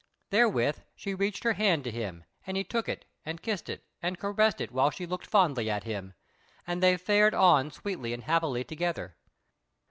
Therewith she reached her hand to him, and he took it and kissed it and caressed it while she looked fondly at him, and they fared on sweetly and happily together.